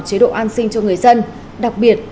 chế độ an sinh cho người dân đặc biệt